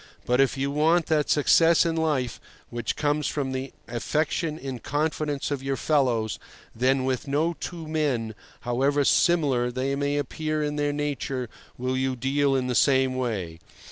But if you want that success in life which comes from the affection and confidence of your fellows, then with no two men, however similar they may appear in their nature, will you deal in the same way.